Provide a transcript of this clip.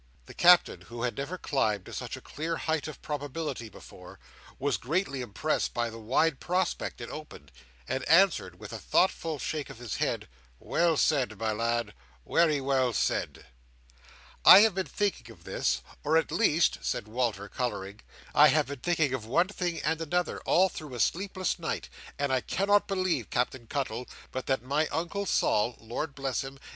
The Captain, who had never climbed to such a clear height of probability before, was greatly impressed by the wide prospect it opened, and answered, with a thoughtful shake of his head, "Well said, my lad; wery well said." "I have been thinking of this, or, at least," said Walter, colouring, "I have been thinking of one thing and another, all through a sleepless night, and I cannot believe, Captain Cuttle, but that my Uncle Sol (Lord bless him!)